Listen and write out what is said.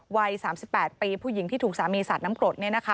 วัย๓๘ปีผู้หญิงที่ถูกสามีสาดน้ำกรด